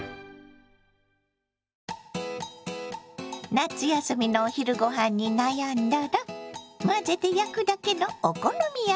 夏休みのお昼ごはんに悩んだら混ぜて焼くだけのお好み焼きはいかが？